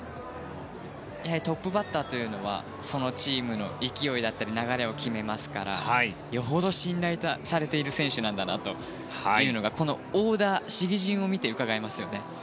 トップバッターというのはそのチームの勢いだったり流れを決めますからよほど信頼されている選手なんだとこのオーダー、試技順を見てうかがえますね。